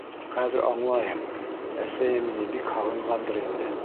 Хәҙер аңлайым, әсәйем мине бик һағынғандыр инде.